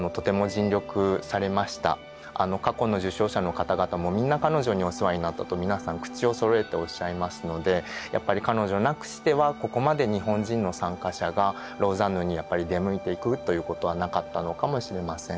過去の受賞者の方々もみんな彼女にお世話になったと皆さん口をそろえておっしゃいますのでやっぱり彼女なくしてはここまで日本人の参加者がローザンヌにやっぱり出向いていくということはなかったのかもしれません。